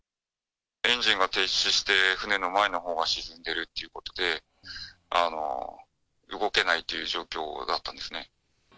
エンジンが停止して、船の前のほうが沈んでるっていうことで、動けないという状況だったんですね。